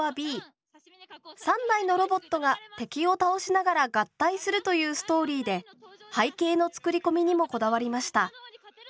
３台のロボットが敵を倒しながら合体するというストーリーで背景の作り込みにもこだわりました。